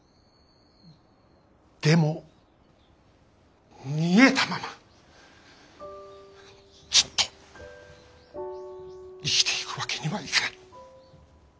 でも逃げたままずっと生きていくわけにはいかない。